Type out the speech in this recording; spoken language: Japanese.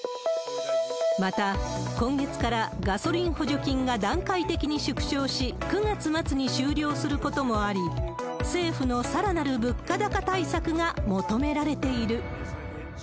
また、今月からガソリン補助金が段階的に縮小し、９月末に終了することもあり、政府のさらなる物価高対策が求められている。